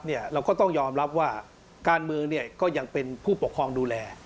เราก็ต้องยอมรับว่าการเมืองก็ยังเป็นผู้ปกครองดูแล